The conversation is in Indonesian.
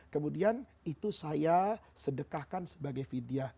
kemudian itu saya sedekahkan sebagai vidya